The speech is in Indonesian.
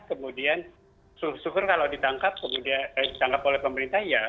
kemudian syukur syukur kalau ditangkap oleh pemerintah